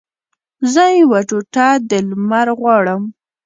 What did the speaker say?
زه یوه ټوټه د لمر غواړم